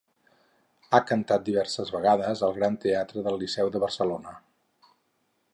Ha cantat diverses vegades al Gran Teatre del Liceu de Barcelona.